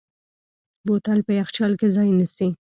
بوتل په یخچال کې ځای نیسي.